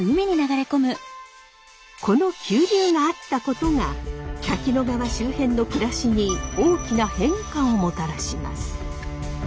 この急流があったことが「滝野川」周辺の暮らしに大きな変化をもたらします。